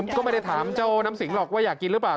ก็ไม่ได้ถามเจ้าน้ำสิงหรอกว่าอยากกินหรือเปล่า